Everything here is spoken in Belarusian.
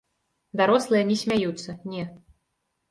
Дарослыя не смяюцца, не.